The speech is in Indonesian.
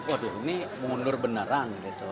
waduh ini mundur beneran gitu